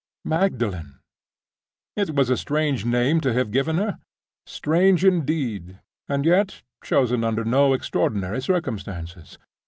Magdalen! It was a strange name to have given her? Strange, indeed; and yet, chosen under no extraordinary circumstances.